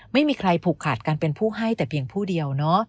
ไม่มีใครผูกขาดการเป็นผู้ให้แต่เพียงผู้เดียวเนอะ